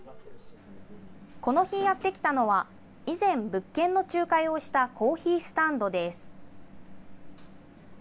この日、やって来たのは、以前、物件の仲介をしたコーヒースタンドです。